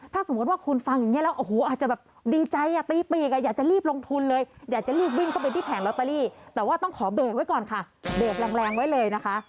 ถ้าสมมุติว่าคุณฟังอย่างนี้แล้วโอ้โหอาจจะแบบดีใจอ่ะตีปีกอยากจะรีบลงทุนเลยอยากจะรีบวิ่งเข้าไปที่แผงลอตเตอรี่แต่ว่าต้องขอเบรกไว้ก่อนค่ะเบรกแรงไว้เลยนะคะ